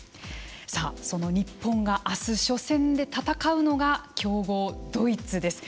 さあその日本が明日初戦で戦うのが強豪ドイツです。